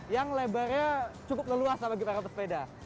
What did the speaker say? yang lebarnya cukup leluasa bagi para pesepeda